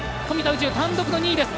宇宙単独の２位です。